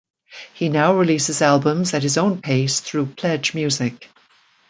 He now releases albums at his own pace through PledgeMusic.